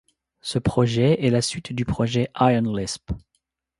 Ce projet est la suite du Projet IronLisp.